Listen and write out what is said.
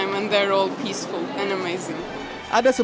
dan mereka semua tenang dan luar biasa